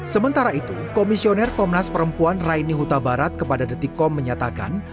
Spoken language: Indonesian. sementara itu komisioner komnas perempuan raini huta barat kepada detikkom menyatakan